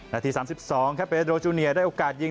นาที๓๒เพดโดร์จูเนียร์ได้โอกาสยิง